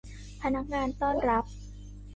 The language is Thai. พนักงานต้อนรับ